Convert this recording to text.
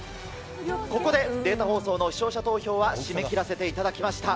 ここでデータ放送の視聴者投票は締め切らせていただきました。